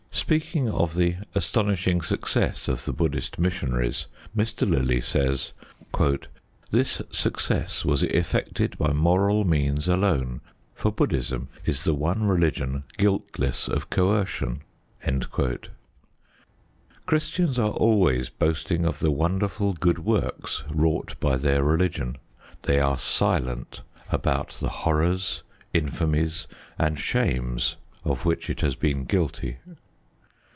Speaking of the astonishing success of the Buddhist missionaries, Mr. Lillie says: This success was effected by moral means alone, for Buddhism is the one religion guiltless of coercion. Christians are always boasting of the wonderful good works wrought by their religion. They are silent about the horrors, infamies, and shames of which it has been guilty.